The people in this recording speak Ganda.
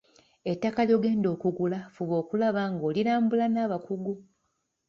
Ettaka ly'ogenda okugula fuba okulaba nga olirambula n’abakugu.